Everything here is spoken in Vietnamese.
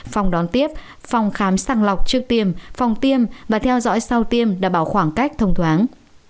phòng đón tiếp phòng khám sàng lọc trước tiêm phòng tiêm và theo dõi sau tiêm đảm bảo khoảng cách thông thoáng